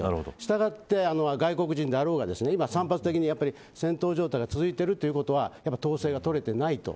従って外国人であろうが今、散発的に戦闘状態が続いているということは統制がとれていないと。